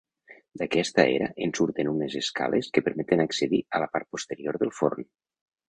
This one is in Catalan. D'aquesta era en surten unes escales que permeten accedir a la part posterior del forn.